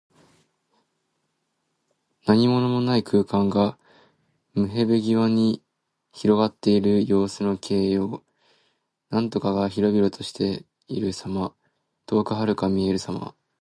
何物もない空間が、無辺際に広がっている様子の形容。「縹渺」は広々としている様。遠くはるかに見えるさま。